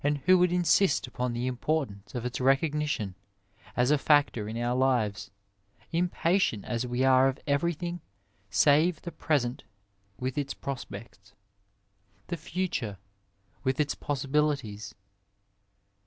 79 Digitized by Google THE LEAVEN OF SCIENCOE would insist upon the importance of its lecognition as a factor in our lives, impatient as we are of everything save the present with its prospects, the future with its possi bilities.